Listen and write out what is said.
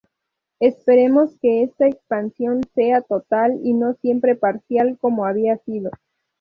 Esperemos que esta Expansión sea total y no siempre parcial, como había sido.